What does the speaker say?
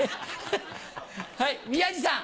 はい宮治さん。